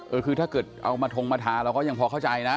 เออคือถ้าเกิดเอามาทงมาทาเราก็ยังพอเข้าใจนะ